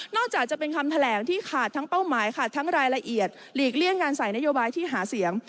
จากจะเป็นคำแถลงที่ขาดทั้งเป้าหมายค่ะทั้งรายละเอียดหลีกเลี่ยงการใส่นโยบายที่หาเสียง